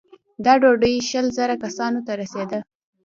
دا ډوډۍ شل زره کسانو ته رسېده.